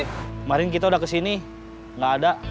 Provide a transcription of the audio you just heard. kemarin kita udah kesini gak ada